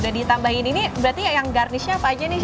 udah ditambahin ini berarti yang garnish nya apa aja nih chef